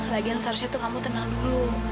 lagian seharusnya tuh kamu tenang dulu